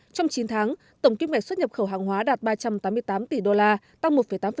trong chín tháng tổng kim ngạch xuất nhập khẩu hàng hóa đạt ba trăm tám mươi tám tỷ đô la tăng một tám